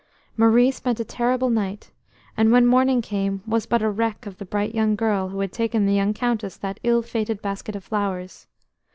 Marie spent a terrible night, and when morning came was but a wreck of the bright young girl who had taken the young Countess that ill fated basket of flowers.